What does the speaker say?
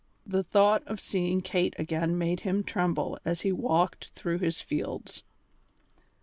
The thought of seeing Kate again made him tremble as he walked through his fields.